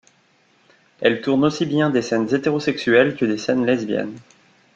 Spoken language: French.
Elle tourne aussi bien des scènes hétérosexuelles que des scènes lesbiennes.